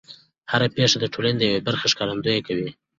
هر پېښه د ټولنې د یوې برخې ښکارندويي کوي.